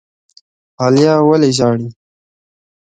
عالیه ولي ژاړي؟